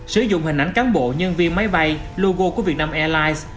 sử dụng hình ảnh cán bộ nhân viên máy bay logo của vietnam airlines